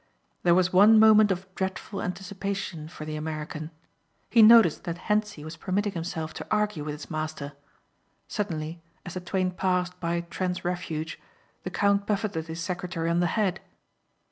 There was one moment of dreadful anticipation for the American. He noticed that Hentzi was permitting himself to argue with his master. Suddenly as the twain passed by Trent's refuge the count buffetted his secretary on the head.